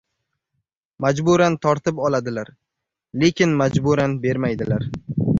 • Majburan tortib oladilar, lekin majburan bermaydilar.